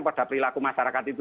pada perilaku masyarakat itu